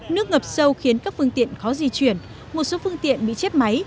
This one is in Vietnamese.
nước ngập sâu khiến các phương tiện khó di chuyển một số phương tiện bị chết máy